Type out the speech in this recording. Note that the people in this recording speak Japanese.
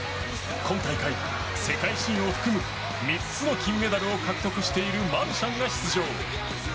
今大会、世界新を含む３つの金メダルを獲得しているマルシャンが出場。